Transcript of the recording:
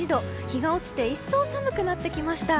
日が落ちて一層寒くなってきました。